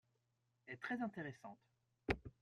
est très intéressante.